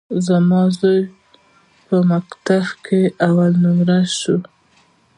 زما زوى په مکتب کښي اول نؤمره سو.